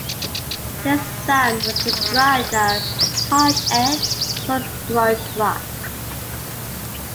Their sound was described as hard-edged, post-grunge rock.